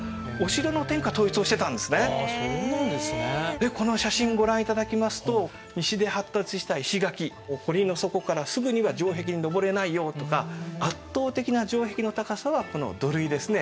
でこの写真ご覧いただきますと西で発達した石垣堀のそこからすぐには城壁に登れないよとか圧倒的な城壁の高さはこの土塁ですね